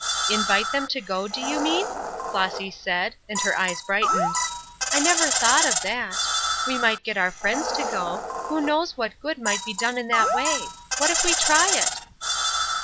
"Invite them to go, do you mean?" Flossy said, and her eyes brightened. "I never thought of that. We might get our friends to go. Who knows what good might be done in that way? What if we try it?"